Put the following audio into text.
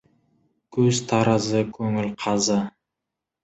Көз — таразы, көңіл — қазы.